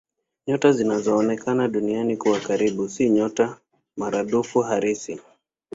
Nyota zinazoonekana Duniani kuwa karibu si nyota maradufu halisi.